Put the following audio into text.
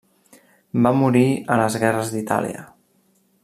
Va morir a les guerres d'Itàlia.